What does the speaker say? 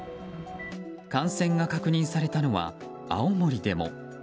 感染が確認されたのは青森でも。